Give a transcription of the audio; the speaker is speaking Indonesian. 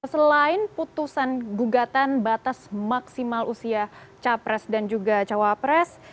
selain putusan gugatan batas maksimal usia capres dan juga cawapres